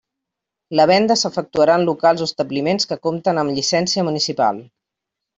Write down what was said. La venda s'efectuarà en locals o establiments que compten amb llicència municipal.